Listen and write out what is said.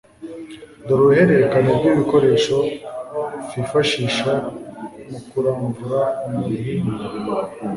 Dore uruhererekane rw'ibikoresho fifashisha mu kuramvura umuhimba :